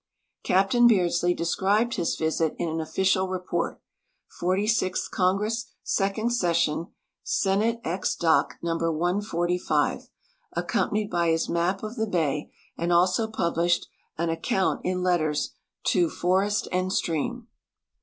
Captain Beardslee described his visit in an official report (Forty sixth Congress, Second Session, Senate Ex. Doc. No. 145), accompanied l»y his map of the bay, and also ])ublished an account in letters to Forest and Stream.